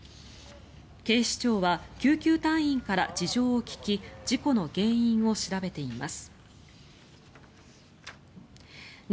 警視庁は救急隊員から事情を聴き事故の原因を調べています。